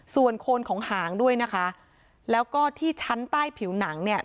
ส่วนโคนของหางด้วยนะคะแล้วก็ที่ชั้นใต้ผิวหนังเนี่ย